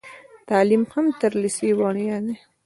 تعلیم هم تر لیسې وړیا دی.